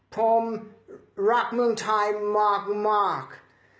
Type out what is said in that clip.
ผมรักเมืองชายมาก